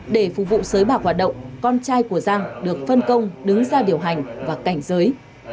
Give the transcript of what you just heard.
để phục vụ sới bạc hoạt động con trai của giang được phân công đứng ra điều hành và cảnh giới